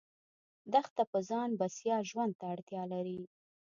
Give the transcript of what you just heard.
دښته په ځان بسیا ژوند ته اړتیا لري.